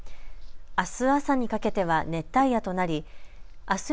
あす朝にかけては熱帯夜となりあす